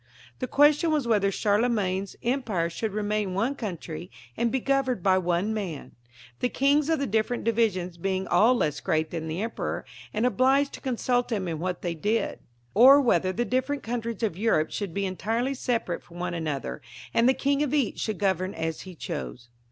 The fluestion was whether Charle magne's empire should remain one country and be governed by one man, ^he Mngs of the different divisions being all less great than the emperor, and obliged to consult him in what they did ; or whether the different countries of Europe should be entirely separate from one another, and the king of each should govern as he chose.